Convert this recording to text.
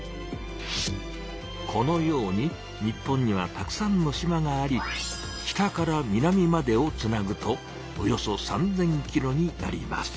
このように日本にはたくさんの島があり北から南までをつなぐとおよそ３０００ｋｍになります。